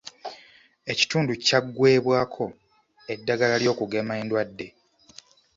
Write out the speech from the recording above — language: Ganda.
Ekitundu kyaggwebwako eddagala ly'okugema endwadde.